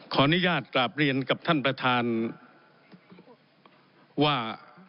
ขออนุญาตกราบเรียนกับท่านประธานว่า